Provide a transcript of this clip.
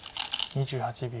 ２８秒。